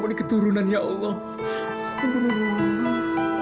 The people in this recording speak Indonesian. dok gimana dengan anak saya dok